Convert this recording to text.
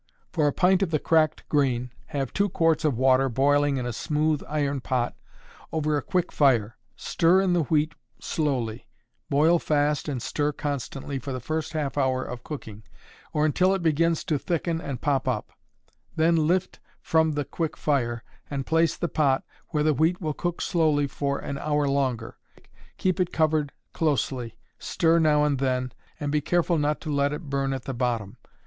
_ For a pint of the cracked grain, have two quarts of water boiling in a smooth iron pot over a quick fire; stir in the wheat slowly; boil fast and stir constantly for the first half hour of cooking, or until it begins to thicken and "pop up;" then lift from the quick fire, and place the pot where the wheat will cook slowly for an hour longer. Keep it covered closely, stir now and then, and be careful not to let it burn at the bottom.